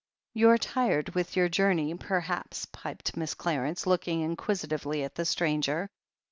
"You're tired with your journey perhaps," piped Mrs. Clarence, looking inquisitively at the stranger.